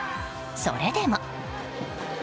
それでも。